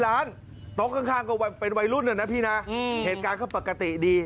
ร้านโต๊ะข้างก็เป็นวัยรุ่นนะนะพี่นะเหตุการณ์ก็ปกติดี